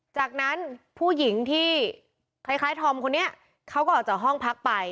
จากนั้นผู้หญิงที่คล้ายธอมคนนี้เขาก็ออกจากห้องพักไป